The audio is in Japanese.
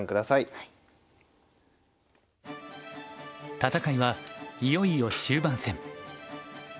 戦いはいよいよ終盤戦。